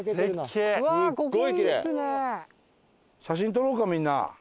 写真撮ろうかみんな。